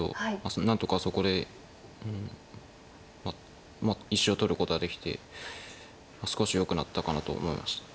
何とかそこで石を取ることができて少しよくなったかなと思いました。